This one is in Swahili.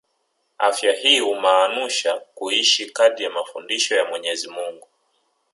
Afya hii humaanusha kuishi kadiri ya mafundisho ya Mwenyezi Mungu